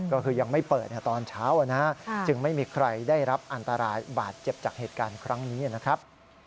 ก็คือยังไม่เปิดตอนเช้าจึงไม่มีใครได้รับอันตรายบาดเจ็บจากเหตุการณ์ครั้งนี้นะครับ